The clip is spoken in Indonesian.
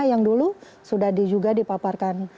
yang dulu sudah juga dipaparkan